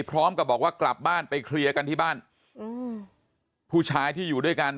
พร้อมกับบอกว่ากลับบ้านไปเคลียร์กันที่บ้านอืมผู้ชายที่อยู่ด้วยกัน